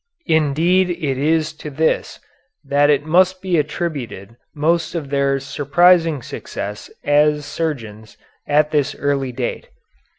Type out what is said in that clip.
Indeed it is to this that must be attributed most of their surprising success as surgeons at this early date.